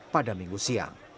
pada minggu siang